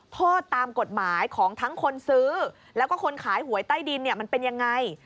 โทษตามกฎหมายของทั้งคนซื้อแล้วก็คนขายหวยใต้ดินเนี่ยมันเป็นยังไง